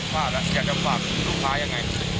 อยากจะฝากลูกค้ายังไง